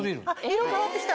色変わってきた。